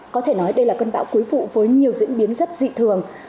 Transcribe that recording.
có thể nói đây là cơn bão cuối vụ với nhiều diễn biến rất dị thường